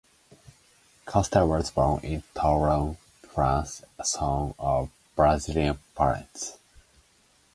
Costa was born in Toulon, France, son of Brazilian parents.